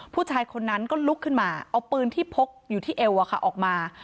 ผู้ชายคนนั้นก็ลุกขึ้นมาเอาปืนที่พกอยู่ที่เอวออกมา